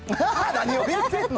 何を言うてんの？